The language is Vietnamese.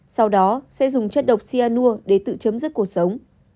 sau đó sẽ dùng chất độc cyanur để tự chấm dứt cuộc sống